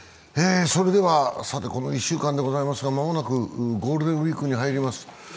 さて、この１週間でございますが間もなくゴールデンウイークに入ります。